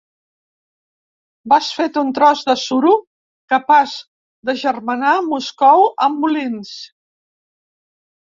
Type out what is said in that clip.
Vas fet d'un tros de suro capaç d'agermanar Moscou amb Molins.